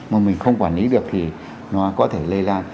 mà mình không quản lý được thì nó có thể lây lan